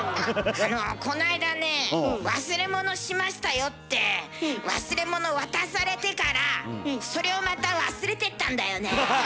あのこないだねぇ「忘れ物しましたよ」って忘れ物渡されてからそれをまた忘れてったんだよね。